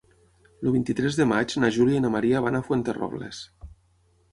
El vint-i-tres de maig na Júlia i na Maria van a Fuenterrobles.